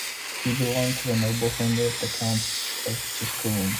He belonged to the noble family of the Counts of Tusculum.